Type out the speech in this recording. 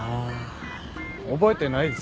覚えてないですね。